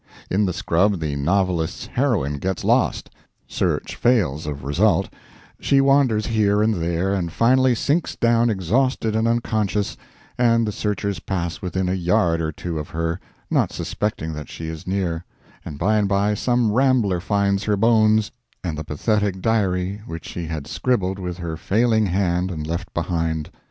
In the scrub the novelist's heroine gets lost, search fails of result; she wanders here and there, and finally sinks down exhausted and unconscious, and the searchers pass within a yard or two of her, not suspecting that she is near, and by and by some rambler finds her bones and the pathetic diary which she had scribbled with her failing hand and left behind.